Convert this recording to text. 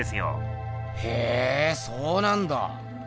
へえそうなんだ。